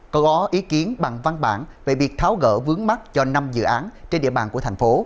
còn có ý kiến bằng văn bản về việc tháo gỡ vướng mắt cho năm dự án trên địa bàn của thành phố